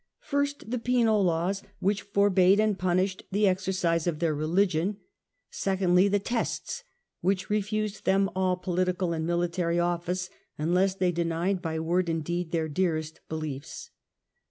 First, the penal laws^ which forbade and punished the exercise of their religion; secondly, the TestSy which refused them all political and military office, unless they denied by word and deed their dearest beliefs.